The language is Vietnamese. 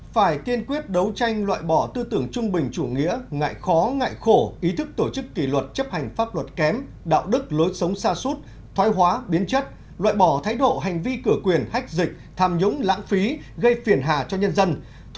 phải kiên quyết đấu tranh loại bỏ tư tưởng trung bình chủ nghĩa ngại khó ngại khổ ý thức tổ chức kỷ luật chấp hành pháp luật kém đạo đức lối sống xa suốt thoái hóa biến chất loại bỏ thái độ hành vi cửa quyền hách dịch tham nhũng lãng phí gây phiền hà cho nhân dân